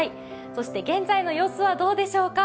そして現在の様子はどうでしょうか。